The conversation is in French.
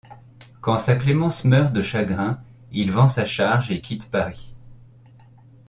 Quand sa Clémence meurt de chagrin, il vend sa charge et quitte Paris.